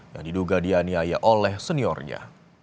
yang diduga dianiaya oleh seniornya